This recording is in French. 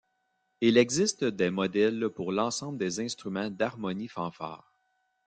Il existe des modèles pour l'ensemble des instruments d'Harmonie-fanfare.